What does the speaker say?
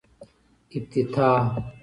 افتتاح